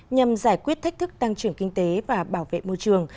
nhằm giải quyết thách thức tăng trưởng kinh tế và bảo vệ môi trường